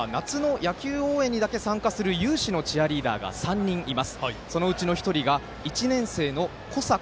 この中には夏の甲子園の時にだけ参加する有志のチアリーダーが３人います。